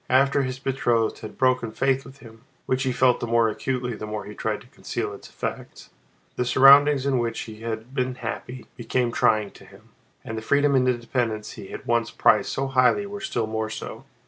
After his betrothed had broken faith with him—which he felt the more acutely the more he tried to conceal its effects—the surroundings in which he had been happy became trying to him, and the freedom and independence he had once prized so highly were still more so.